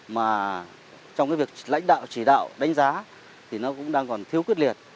mà trong cái việc lãnh đạo chỉ đạo đánh giá thì nó cũng đang còn thiếu quyết liệt